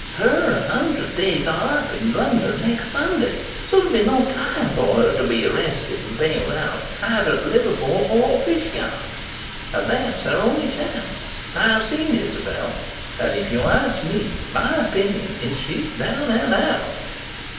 Her hundred days are up in London next Sunday. So there'll be no time for her to be arrested and bailed out either at Liverpool or Fishguard. And that's her only chance. I've seen Isabel, and if you ask me my opinion she's down and out."